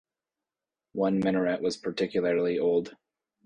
One minaret is particularly old.